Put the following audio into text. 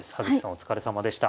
お疲れさまでした。